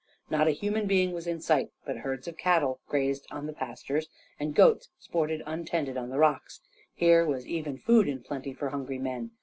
Not a human being was in sight, but herds of cattle grazed on the pastures, and goats sported untended on the rocks. Here was even food in plenty for hungry men.